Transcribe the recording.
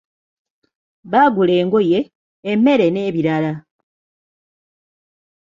Baagula engoye, emmere n'ebirala.